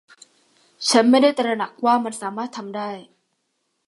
ฉันไม่ได้ตระหนักว่ามันสามารถทำได้